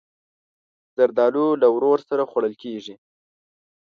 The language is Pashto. زردالو له ورور سره خوړل کېږي.